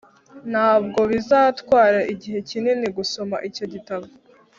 ntabwo bizatwara igihe kinini gusoma icyo gitabo